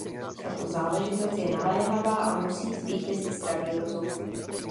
Tato záležitost je naléhavá a musí zvítězit zdravý rozum.